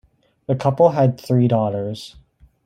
The couple had three daughters.